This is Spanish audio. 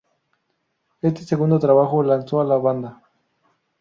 Este segundo trabajo lanzó a la banda.